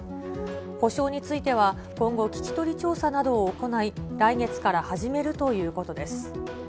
補償については、今後、聞き取り調査などを行い、来月から始めるということです。